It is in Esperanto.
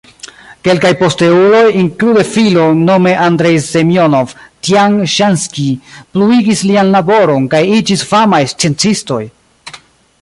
Kelkaj posteuloj, inklude filon, nome Andrej Semjonov-Tjan-Ŝanskij, pluigis lian laboron kaj iĝis famaj sciencistoj.